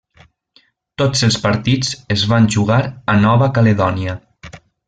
Tots els partits es van jugar a Nova Caledònia.